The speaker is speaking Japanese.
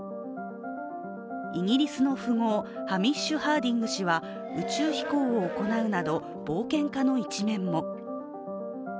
イギリスの富豪、ハミッシュ・ハーディング氏は宇宙飛行を行うなど、冒険家の一面も。